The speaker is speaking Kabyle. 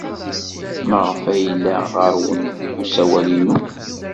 Maɣef ay yella ɣer-wen usawal-inu?